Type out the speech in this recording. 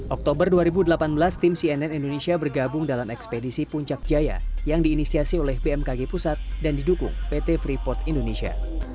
oktober dua ribu delapan belas tim cnn indonesia bergabung dalam ekspedisi puncak jaya yang diinisiasi oleh bmkg pusat dan didukung pt freeport indonesia